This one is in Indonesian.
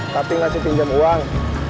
tapi ngasih pinjam uang